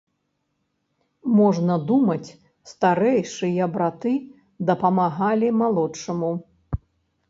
Можна думаць, старэйшыя браты дапамагалі малодшаму.